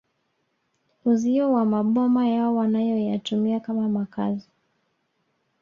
Uzio wa maboma yao wanayoyatumia kama makazi